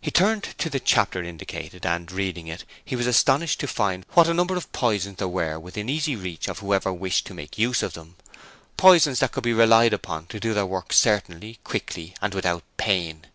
He turned to the chapter indicated and, reading it, he was astonished to find what a number of poisons there were within easy reach of whoever wished to make use of them: poisons that could be relied upon to do their work certainly, quickly and without pain.